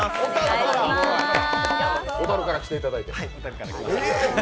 小樽から来ていただいて。